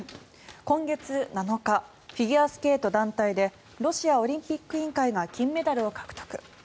今月７日フィギュアスケート団体でロシアオリンピック委員会が金メダルを獲得。